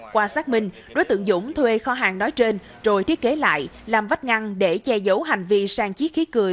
qua xác minh đối tượng dũng thuê kho hàng nói trên rồi thiết kế lại làm vách ngăn để che giấu hành vi sang chiếc khí cười